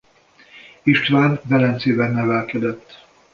István Velencében nevelkedett.